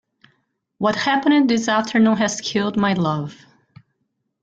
What happened this afternoon has killed my love.